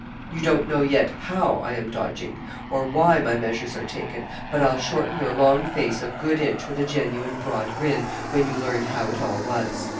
You don't know yet how I am dodging, or why my measures are taken; but I'll shorten your long face a good inch with a genuine broad grin when you learn how it all was.